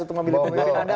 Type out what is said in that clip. mau memilih pemimpin anda